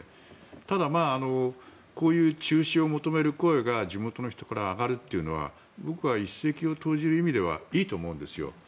ただ、こういう中止を求める声が地元の人から上がるというのは僕は一石を投じる意味ではいいと思うんですよ。